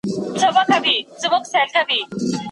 د پښتو ژبې کلتور زموږ د هویت او معنوي ژوند یوه بنسټیزه ستنه ده.